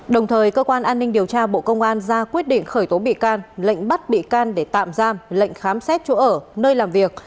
đồng thời cơ quan an ninh điều tra bộ công an ra quyết định khởi tố bị can lệnh bắt bị can để tạm giam lệnh khám xét chỗ ở nơi làm việc